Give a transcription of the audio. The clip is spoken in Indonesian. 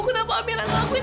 kenapa amira ngelakuin